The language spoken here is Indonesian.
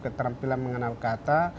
keterampilan mengenal kata